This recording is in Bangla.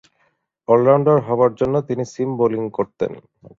অল-রাউন্ডার হবার জন্যে তিনি সিম বোলিং করতেন।